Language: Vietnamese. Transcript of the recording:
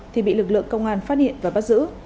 thì bị lực lượng công an phát hiện và bắt giữ